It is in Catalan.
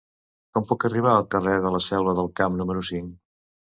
Com puc arribar al carrer de la Selva del Camp número cinc?